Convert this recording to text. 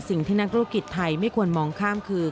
สิ่งที่นักธุรกิจไทยไม่ควรมองข้ามคือ